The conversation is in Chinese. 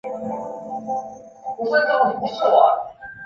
他曾从其叔著名语言学家杨树达学习。